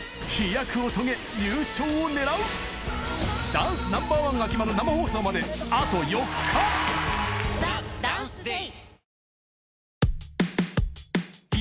ダンスＮｏ．１が決まる生放送まであと４日『ＴＨＥＤＡＮＣＥＤＡＹ』。